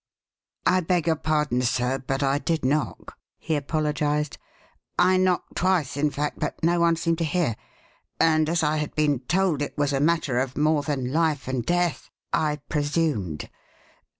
"I beg your pardon, sir, but I did knock," he apologized. "I knocked twice, in fact, but no one seemed to hear; and as I had been told it was a matter of more than life and death, I presumed.